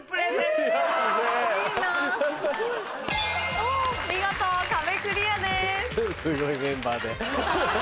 お見事壁クリアです。